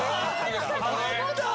あった！